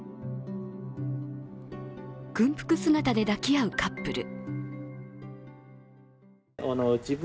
軍服姿で抱き合うカップル。